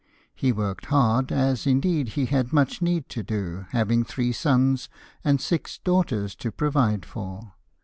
He worked hard, as indeed he had much need to do having three sons and six daughters to provide for.